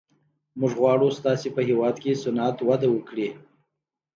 موږ غواړو ستاسو په هېواد کې صنعت وده وکړي